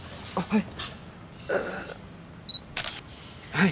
はい。